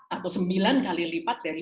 atau sembilan kali lipat dari